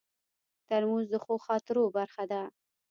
ترموز د ښو خاطرو برخه ده.